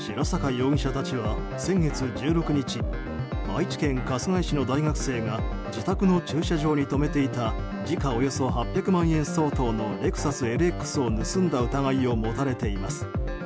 容疑者たちは先月１６日愛知県春日市の大学生が自宅の駐車場に止めていた時価およそ８００万円相当のレクサスＬＸを盗んだ疑いを持たれています。